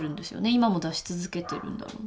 今も出し続けてるんだろうな。